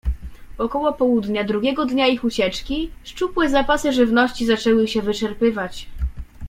"Około południa drugiego dnia ich ucieczki, szczupłe zapasy żywności zaczęły się wyczerpywać."